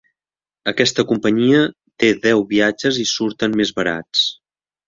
Aquesta companyia té deu viatges i surten més barats.